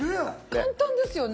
簡単ですよね。